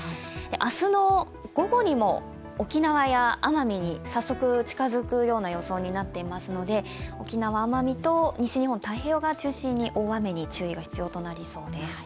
明日の午後にも沖縄や奄美に早速近づくような予想になっていますので沖縄、奄美と西日本太平洋側を中心に大雨に注意が必要となりそうです。